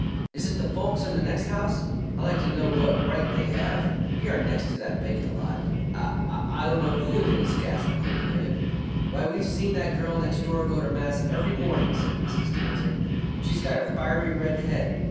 "Is it the folks in the next house? I'd like to know what right they have! We are next to that vacant lot." "I dunno who it is," gasped Cordelia. "Why, we've seen that girl next door go to mass every morning," said Mrs. Townsend. "She's got a fiery red head.